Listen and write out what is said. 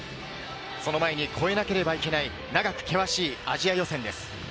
その前に超えなければいけない、長く険しいアジア予選です。